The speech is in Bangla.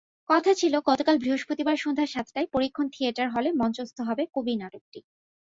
কথা ছিল গতকাল বৃহস্পতিবার সন্ধ্যা সাতটায় পরীক্ষণ থিয়েটার হলে মঞ্চস্থ হবে কবি নাটকটি।